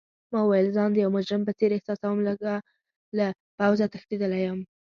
ما وویل: ځان د یو مجرم په څېر احساسوم، له پوځه تښتیدلی یم.